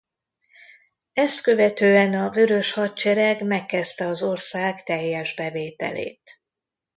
Ezt követően a Vörös Hadsereg megkezdte az ország teljes bevételét.